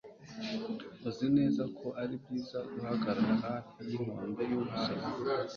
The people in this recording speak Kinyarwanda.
uzi neza ko ari byiza guhagarara hafi yinkombe yumusozi